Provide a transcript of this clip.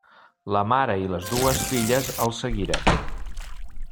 La mare i les dues filles el seguiren.